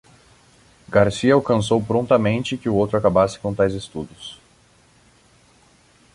Garcia alcançou prontamente que o outro acabasse com tais estudos.